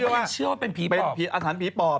เขายังเชื่อว่าเป็นผีปอบ